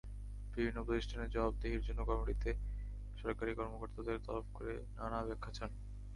বিভিন্ন প্রতিষ্ঠানের জবাবদিহির জন্য কমিটিতে সরকারি কর্মকর্তাদের তলব করে নানা ব্যাখ্যা চান।